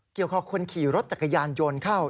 เกี่ยวกับคนขี่รถจักรยานยนต์เข้า